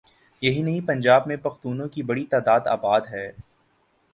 یہی نہیں پنجاب میں پختونوں کی بڑی تعداد آباد ہے۔